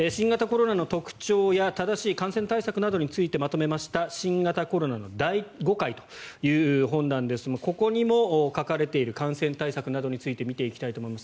新型コロナの特徴や正しい感染対策についてまとめた「新型コロナの大誤解」という本ですがここにも書かれている感染対策などについて見ていきたいと思います。